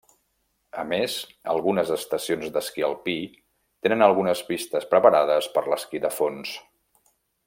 A més, algunes estacions d'esquí alpí tenen algunes pistes preparades per l'esquí de fons.